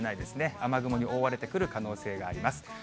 雨雲に覆われてくる可能性があります。